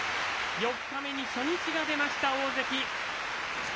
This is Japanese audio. ４日目に初日が出ました、大関。